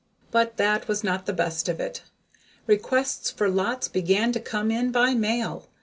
But that was not the best of it. Requests for lots began to come in by mail.